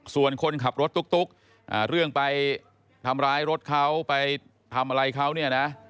ส่วนคนขับรถตุ๊กเรื่องไปทำร้ายรถเขาไปทำอะไรเขาเนี่ยนะ